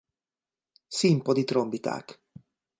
Színpadi trombiták.